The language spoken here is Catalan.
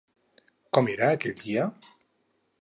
Com era aquell dia?